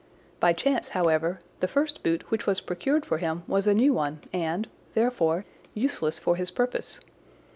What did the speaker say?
By chance, however, the first boot which was procured for him was a new one and, therefore, useless for his purpose.